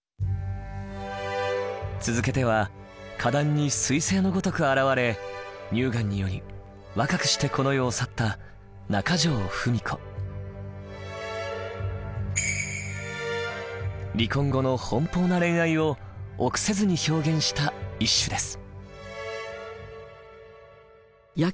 続けては歌壇にすい星のごとく現れ乳がんにより若くしてこの世を去った離婚後の奔放な恋愛を臆せずに表現した一首です。